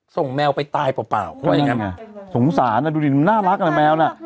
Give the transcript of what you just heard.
ส่งแมวไปตายเปล่าเปล่าสงสารนะดูดิน่ารักน่ะแมวน่ะ